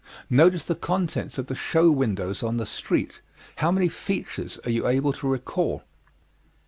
Notice the contents of the show windows on the street; how many features are you able to recall?